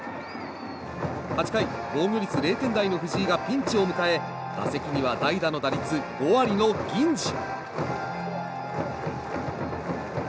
８回、防御率０点台の藤井がピンチを迎え打席には代打の打率５割の銀次。